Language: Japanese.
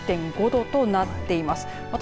２０．５度となっています。